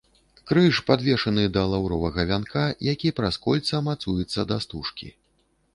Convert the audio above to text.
Крыж падвешаны да лаўровага вянка, які праз кольца мацуецца да стужкі.